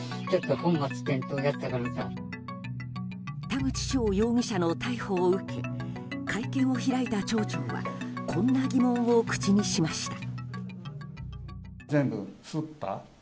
田口翔容疑者の逮捕を受け会見を開いた町長はこんな疑問を口にしました。